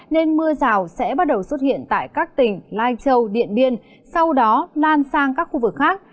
nên mưa rào sẽ bắt đầu xuất hiện tại các tỉnh lai châu điện biên sau đó lan sang các khu vực khác